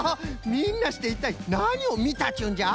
みんなしていったいなにをみたっちゅうんじゃ？